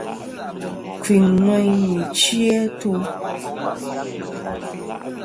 Kfɨyn ŋweyn nɨ̀ ɨchɨ-atu.